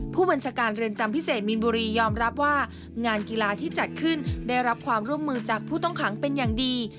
ผู้บัญชาการเรือนจำพิเศษมีนบุรียอมรับว่างานกีฬาที่จัดขึ้นได้รับความร่วมมือจากผู้ต้องขังเป็นอย่างดี